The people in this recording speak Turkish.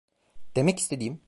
Demek istediğim...